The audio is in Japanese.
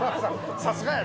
さすがやな。